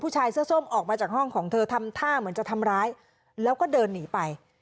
ชายเสื้อส้มออกมาจากห้องของเธอทำท่าเหมือนจะทำร้ายแล้วก็เดินหนีไป